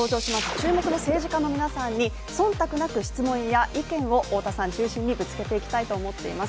注目の政治家の皆さんに忖度なく質問や意見を太田さん中心にぶつけていきたいと思います。